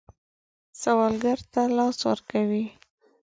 سوالګر ته لاس ورکوئ